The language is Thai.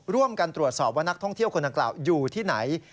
ร่วมกันตรวจสอบว่านักท่องเที่ยวคนดังกล่าวอยู่ที่ไหน